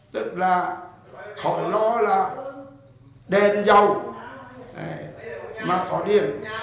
tức là khó lo là đèn dầu mà có điện